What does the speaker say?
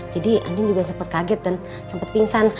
jadi andin juga sempet kaget dan sempet pingsan